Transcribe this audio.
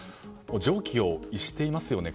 常軌を逸していますよね。